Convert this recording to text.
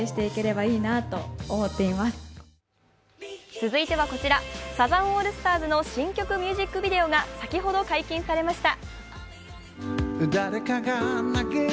続いてはこちら、サザンオールスターズの新曲ミュージックビデオが先ほど解禁されました。